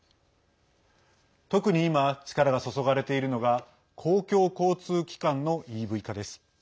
特に今、力が注がれているのが公共交通機関のＥＶ化です。